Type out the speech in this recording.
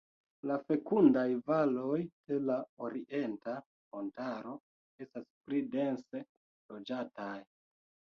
La fekundaj valoj de la Orienta Montaro estas pli dense loĝataj.